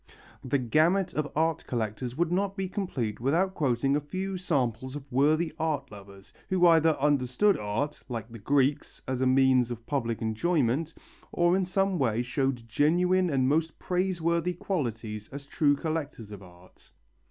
The gamut of art collectors would not be complete without quoting a few samples of worthy art lovers who either understood art, like the Greeks, as a means of public enjoyment, or in some way showed genuine and most praiseworthy qualities as true collectors of art.